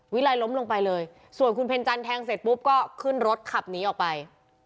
วิลัยล้มลงไปเลยส่วนคุณเพ็ญจันแทงเสร็จปุ๊บก็ขึ้นรถขับหนีออกไป